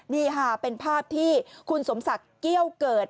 นี่ค่ะเป็นภาพที่คุณสมศักดิ์เกี้ยวเกิด